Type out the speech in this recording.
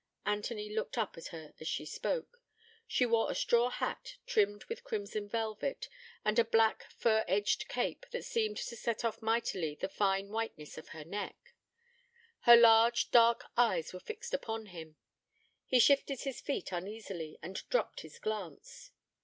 Anthony looked up at her as she spoke. She wore a straw hat, trimmed with crimson velvet, and a black, fur edged cape, that seemed to set off mightily the fine whiteness of her neck. Her large, dark eyes were fixed upon him. He shifted his feet uneasily, and dropped his glance.